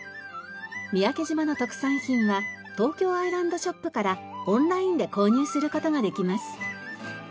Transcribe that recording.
三宅島の特産品は東京愛らんどショップからオンラインで購入する事ができます。